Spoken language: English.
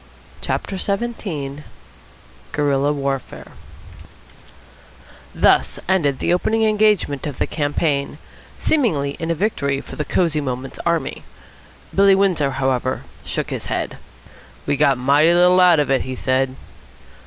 CHAPTER XVII GUERILLA WARFARE Thus ended the opening engagement of the campaign, seemingly in a victory for the Cosy Moments army. Billy Windsor, however, shook his head. "We've got mighty little out of it," he said.